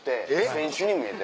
選手に見える？